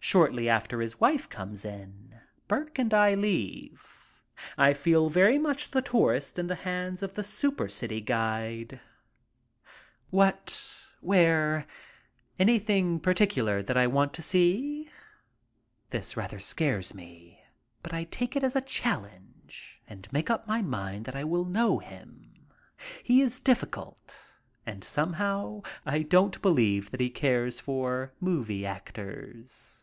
Shortly after his wife comes in Burke and I leave, I feeling very much the tourist in the hands of the supercity guide. I MEET THE IMMORTALS 91 "What, where — anything particular that I want to see?" This rather scares me, but I take it as a challenge and make up my mind that I will know him. He is difficult, and, somehow, I don't believe that he cares for movie actors.